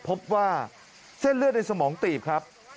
พบว่าเส้นเลือดในสมองตีบครับ